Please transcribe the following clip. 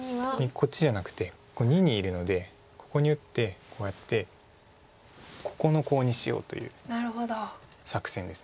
こっちじゃなくて②にいるのでここに打ってこうやってここのコウにしようという作戦です。